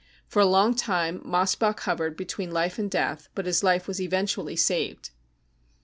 For a long time Mossbach hovered between life and death, but his life was eventually saved.